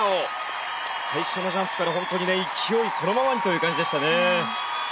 最初のジャンプから本当にね勢いそのままにという感じでしたね。